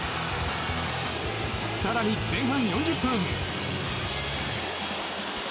更に、前半４０分。